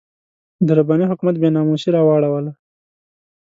د رباني حکومت بې ناموسي راواړوله.